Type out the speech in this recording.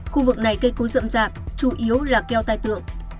khu vực này cây cối rậm rạp chủ yếu là keo tài tượng